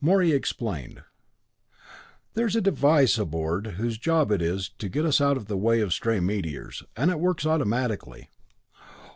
Morey explained: "There's a device aboard whose job it is to get us out of the way of stray meteors, and it works automatically.